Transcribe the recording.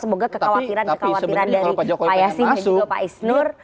semoga kekhawatiran kekhawatiran dari pak yasin dan juga pak isnur